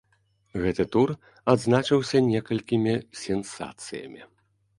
Гэты тур адзначыўся некалькімі сенсацыямі.